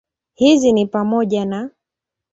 Hizi ni pamoja na